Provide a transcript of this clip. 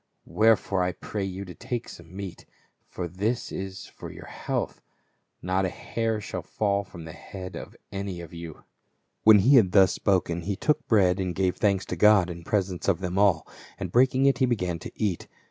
Wherefore I pray you to take some meat ; for this is for your health. Not a hair shall fall from the head of any of you." 436 PAUL. When he had thus spoken he took bread, and gave thanks to God in presence of them all : and break ing it, he began to eat.